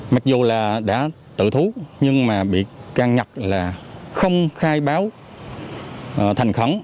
mặc dù là đã tự thú nhưng mà bị can nhật là không khai báo thành khẳng